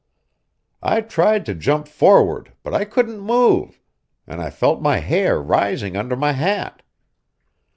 I tried to jump forward, but I couldn't move, and I felt my hair rising under my hat.